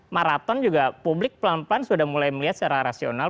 maraton juga publik pelan pelan sudah mulai melihat secara rasional